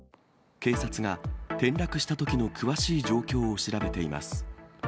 警察が、転落したときの詳しい状況を調べています。